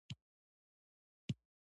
کوچیان د افغانانو د تفریح یوه وسیله ده.